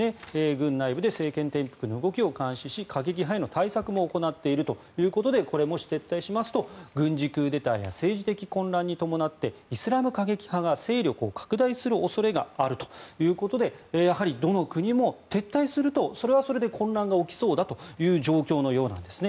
軍内部で政権転覆の動きを監視し過激派への対策も行っているということでこれ、もし撤退しますと軍事クーデターや政治的混乱に伴ってイスラム過激派が勢力を拡大する恐れがあるということでやはりどの国も撤退するとそれはそれで混乱が起きそうだという状況のようです。